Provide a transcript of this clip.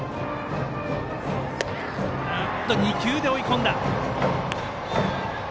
２球で追い込んだ。